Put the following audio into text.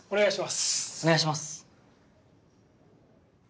お願いします。